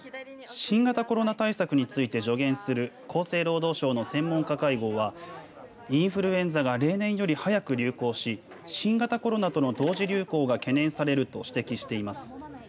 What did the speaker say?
新型コロナ対策について助言する厚生労働省の専門家会合はインフルエンザが例年より早く流行し新型コロナとの同時流行が懸念されると指摘しています。